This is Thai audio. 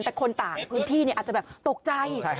แต่คนต่างกับพื้นที่อาจจะตกใจ